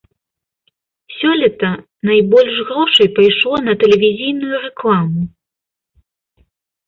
Сёлета найбольш грошай пайшло на тэлевізійную рэкламу.